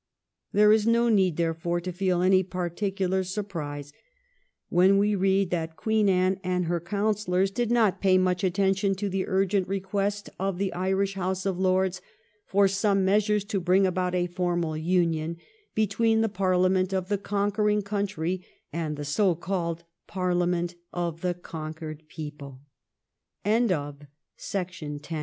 There is no need, therefore, to feel any particular surprise when we read that Queen Anne and her councillors did not 1703 A HOPELESS PROJECT. 217 pay much attention to the urgent request of the Irish House of Lords for some measures to bring about a formal union between the Parliament of the conquer ing country and the so called Parliament of the co